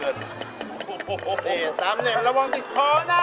เฮีย๓เหรียญระวังจิ็ดขอนะ